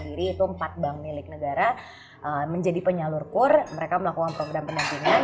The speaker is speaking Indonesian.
mereka menjadikan perempuan bank milik negara jadi empat bank milik negara menjadi penyalur kur mereka melakukan program pendampingan